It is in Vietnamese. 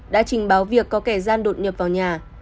đã trình báo việc có kẻ gian đột nhập vào nhà